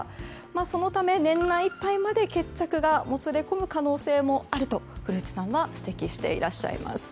そのため、年内いっぱいまで決着がもつれ込む可能性もあると古内さんは指摘していらっしゃいます。